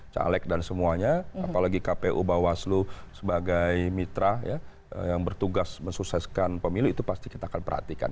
caleg dan semuanya apalagi kpu bawaslu sebagai mitra yang bertugas mensukseskan pemilu itu pasti kita akan perhatikan